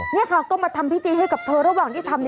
นี่ค่ะก็มาทำพิธีให้กับเธอระหว่างที่ทำ